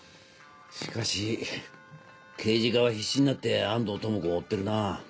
しかし刑事課は必死になって安藤智子を追ってるな。